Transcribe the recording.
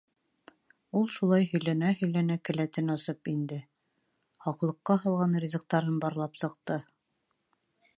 Ул шулай һөйләнә-һөйләнә келәтен асып инде. һаҡлыҡҡа һалған ризыҡтарын барлап сыҡты.